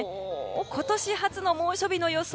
今年初の猛暑日の予想